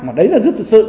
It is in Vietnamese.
mà đấy là rất thực sự